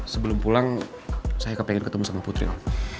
sebelum pulang saya pengen ketemu sama putri om